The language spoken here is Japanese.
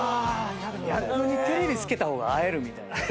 逆にテレビつけた方が会えるみたいなね。